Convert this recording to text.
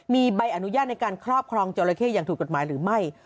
มีใบอนุญาตในการครอบครองจราเข้อย่างถูกกฎหมายหรือไม่